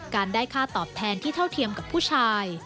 การได้ค่าตอบแทนที่เท่าเทียมกับผู้ชาย